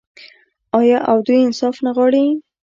آیا او دوی انصاف نه غواړي؟